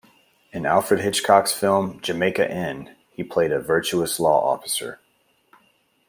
In Alfred Hitchcock's film "Jamaica Inn", he played a virtuous law officer.